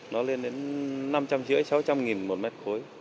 nó lên đến năm trăm linh sáu trăm linh đồng một mét khối